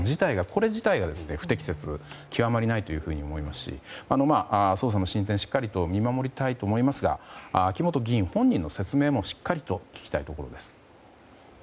これ自体が不適切極まりないと思いますし捜査の進展をしっかりと見守りたいと思いますが秋本議員本人の説明もしっかりと聞きたいところです。